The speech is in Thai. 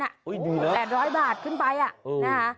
ดีแล้วคุณธิสาดู๘๐๐บาทขึ้นไป